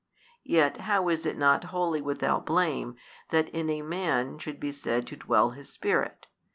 yet how is it not wholly without blame 13, that in a man should be said to dwell his spirit?